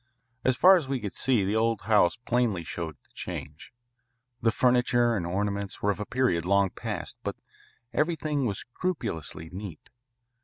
As far as we could see the old house plainly showed the change. The furniture and ornaments were of a period long past, but everything was scrupulously neat.